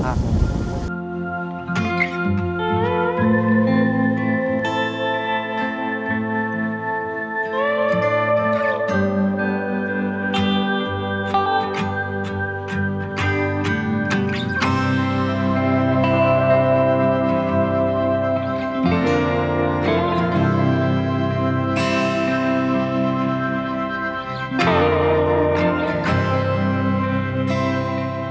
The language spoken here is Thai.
มีทุกค่อนข้ารนนี้สำหรับสินค้าที่คงอยู่